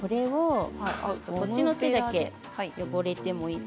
こっちの手だけ汚れてもいい。